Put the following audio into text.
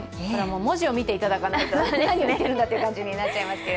文字を見ていただかないと、何だという感じになっちゃいますが。